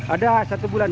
ada satu bulan